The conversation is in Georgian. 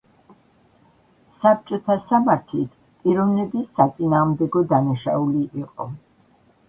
საბჭოთა სამართლით პიროვნების საწინააღმდეგო დანაშაული იყო.